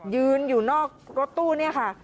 ยืนอยู่นอกรถตู้เนี่ยค่ะ